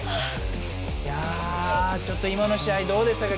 いやちょっと今の試合どうでしたか？